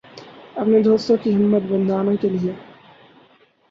اپنے دوستوں کی ہمت بندھانے کے لئے